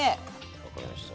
分かりました。